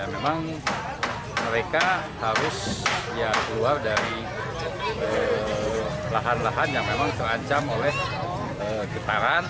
memang mereka harus keluar dari lahan lahan yang memang terancam oleh getaran